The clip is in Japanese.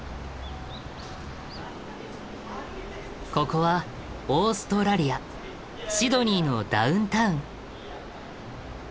ここはオーストラリアシドニーのダウンタウン。